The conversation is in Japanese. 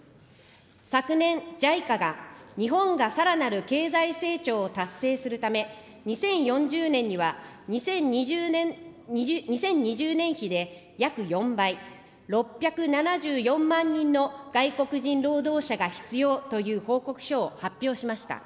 昨年、ＪＩＣＡが、日本がさらなる経済成長を達成するため、２０４０年には２０２０年比で約４倍、６７４万人の外国人労働者が必要という報告書を発表しました。